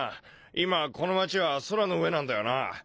今この町は空の上なんだよな。